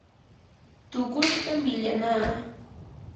tuqushta millanaa.